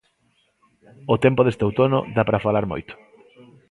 O tempo deste outono da para falar moito.